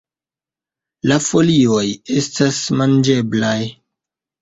La folioj estas manĝeblaj.